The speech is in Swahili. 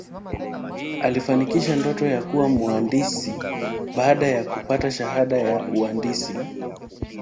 aliifanikisha ndoto ya kuwa mwandisi baada ya kupata shahada ya uandisi